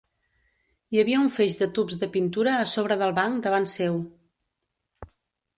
Hi havia un feix de tubs de pintura a sobre del banc davant seu.